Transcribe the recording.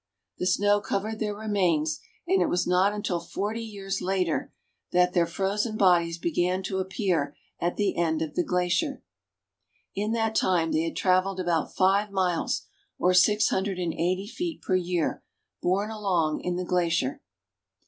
The snow covered their remains, and it was not until about forty years later that THE ALPS. 259 Lake Como. their frozen bodies began to appear at the end of the glacier. In that time they had traveled about five miles, or six hundred and eighty feet per year, borne along in the glacier.